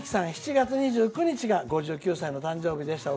７月２９日が５９歳の誕生日でした。